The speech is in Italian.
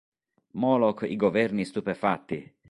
Moloch i governi stupefatti!